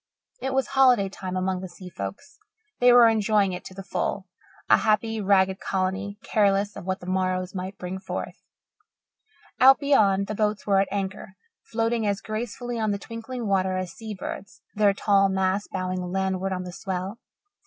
It was holiday time among the sea folks. They were enjoying it to the full, a happy, ragged colony, careless of what the morrows might bring forth. Out beyond, the boats were at anchor, floating as gracefully on the twinkling water as sea birds, their tall masts bowing landward on the swell.